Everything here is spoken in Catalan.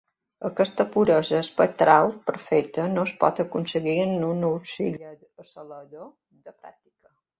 Aquesta puresa espectral perfecta no es pot aconseguir en un oscil·lador de pràctica.